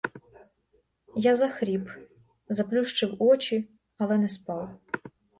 Я захріп, заплющив очі, але не спав.